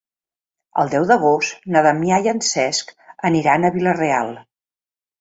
El deu d'agost na Damià i en Cesc aniran a Vila-real.